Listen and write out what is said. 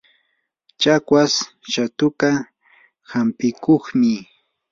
chakwas shatuka hampikuqmi.